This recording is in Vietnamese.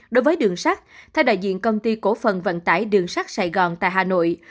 đối với đường sắt theo đại diện công ty cổ phần vận tải đường sắt sài gòn tại hà nội